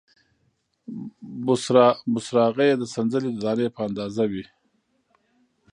بوسراغې یې د سنځلې د دانې په اندازه وې،